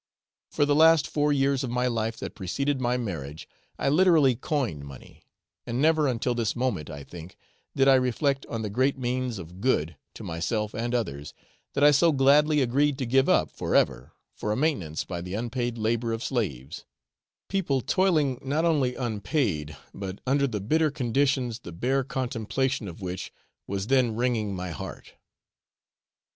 For the last four years of my life that preceded my marriage, I literally coined money; and never until this moment, I think, did I reflect on the great means of good, to myself and others, that I so gladly agreed to give up for ever, for a maintenance by the unpaid labour of slaves people toiling not only unpaid, but under the bitter conditions the bare contemplation of which was then wringing my heart.